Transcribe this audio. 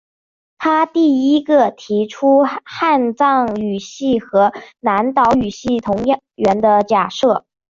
他第一个提出汉藏语系和南岛语系同源的假设。